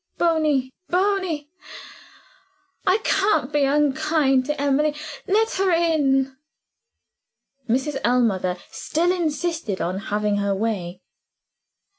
"Bony! Bony! I can't be unkind to Emily. Let her in." Mrs. Ellmother still insisted on having her way.